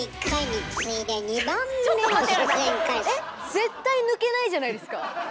絶対抜けないじゃないですか。